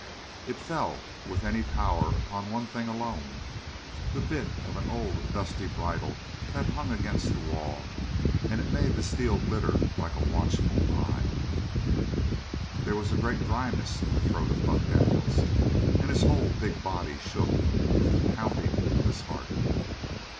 It fell with any power upon one thing alone, the bit of an old, dusty bridle that hung against the wall, and it made the steel glitter like a watchful eye. There was a great dryness in the throat of Buck Daniels; and his whole big body shook with the pounding of his heart.